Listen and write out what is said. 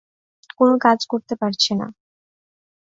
কোনো কাজ করতে পারছি না।